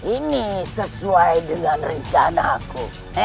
ini sesuai dengan rencanaku